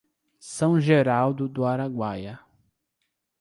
São Geraldo do Araguaia